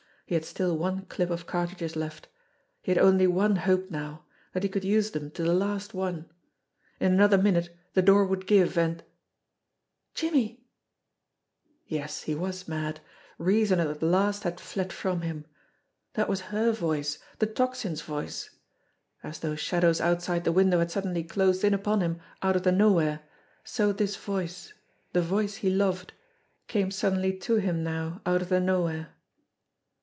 He had still one clip of cartridges left. He had only one hope now that he could use them to the last one. In another minute the door would give, and "Jimmie!" Yes, he was mad ! Reason at the last had fled from him. That was her voice, the Tocsin's voice. As those shadows outside the window had suddenly closed in upon him out of the nowhere, so this voice, the voice he loved, came suddenly to him now out of the nowhere.